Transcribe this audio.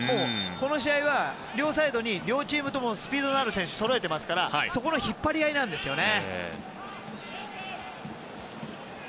この試合は両サイドに両チームともスピードのある選手をそろえているのでそこの引っ張り合いなんですよね。